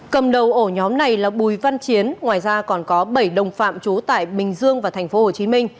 cầm đầu ổ nhóm này là bùi văn chiến ngoài ra còn có bảy đồng phạm trú tại bình dương và tp hcm